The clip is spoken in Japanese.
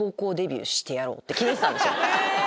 決めてたんですよ。